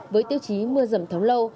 với tiêu chí mưa rầm thấm lâu